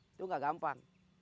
itu tidak gampang